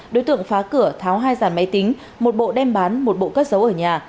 đối tượng phá cửa tháo hai dàn máy tính một bộ đem bán một bộ cất giấu ở nhà